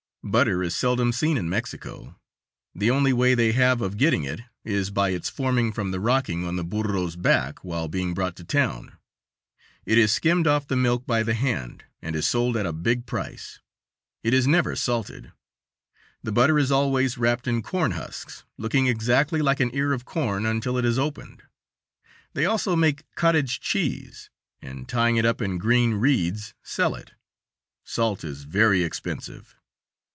Butter is seldom seen in Mexico. The only way they have of getting it is by its forming from the rocking on the burro's back while being brought to town, it is skimmed off the milk by the hand and is sold at a big price. It is never salted. The butter is always wrapped in corn husks, looking exactly like an ear of corn until it is opened. They also make cottage cheese, and tying it up in green reeds sell it. Salt is very expensive.